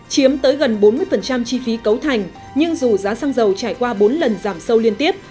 chiếm tới gần bốn mươi chi phí cấu thành nhưng dù giá xăng dầu trải qua bốn lần giảm sâu liên tiếp